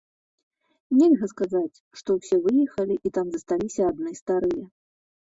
Нельга сказаць, што ўсе выехалі і там засталіся адны старыя.